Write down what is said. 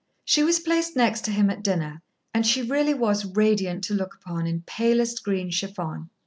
She was placed next to him at dinner, and she really was radiant to look upon in palest green chiffon.